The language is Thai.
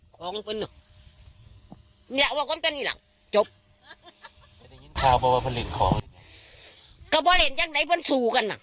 ก็ผลิตอย่างไหนผลิตสู่กัน